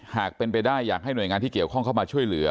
หากเป็นไปได้อยากให้หน่วยงานที่เกี่ยวข้องเข้ามาช่วยเหลือ